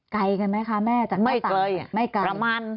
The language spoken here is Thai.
ไกลกันไหมคะแม่จากก้าวต่างไม่ไกล